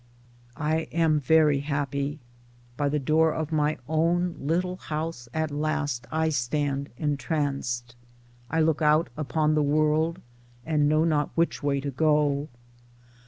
I am very happy. By the door of my own little house at last I stand entranced. I look out upon the world and know not which way to go.